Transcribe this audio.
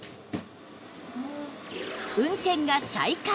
運転が再開。